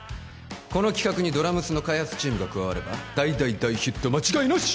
この企画にドラ娘の開発チームが加われば大大大ヒット間違いなし！